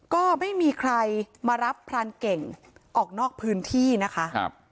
ก็ไม่มีใครมารับพรานเก่งออกนอกพื้นที่นะคะ